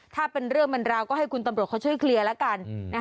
ถ้าเป็นเรื่องมันราวก็ให้คุณตำรวจเขาช่วยเคลียร์แล้วกัน